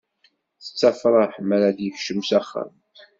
Tettafraḥ mi ara d-yekcem s axxam.